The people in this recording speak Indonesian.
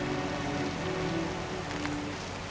bu chandra tuh membendingin nelpon